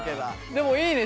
でもいいね